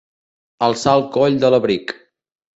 Alçar el coll de l'abric.